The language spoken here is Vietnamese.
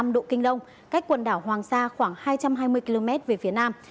một trăm một mươi hai năm độ kinh đông cách quần đảo hoàng sa khoảng hai trăm hai mươi km về phía nam